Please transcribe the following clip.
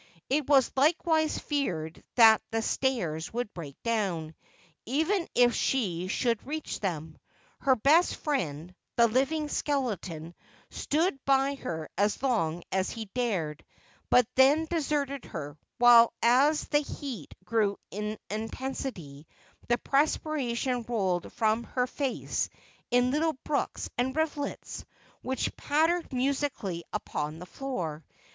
It was likewise feared that the stairs would break down, even if she should reach them. Her best friend, the living skeleton, stood by her as long as he dared, but then deserted her, while as the heat grew in intensity, the perspiration rolled from her face in little brooks and rivulets, which pattered musically upon the floor.